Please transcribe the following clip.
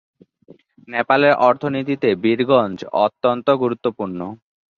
নেপালের অর্থনীতিতে বীরগঞ্জ অত্যন্ত গুরুত্বপূর্ণ।